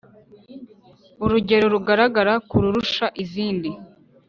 urugero rugaragara ku rusha izindi,